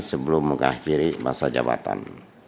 sebelum mengakhiri masa jabatan